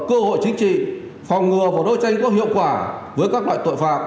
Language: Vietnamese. cơ hội chính trị phòng ngừa và đấu tranh có hiệu quả với các loại tội phạm